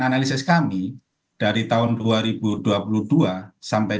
analisis kami dari tahun dua ribu dua puluh dua sampai